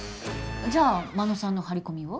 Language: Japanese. じゃあ真野さんの張り込みは？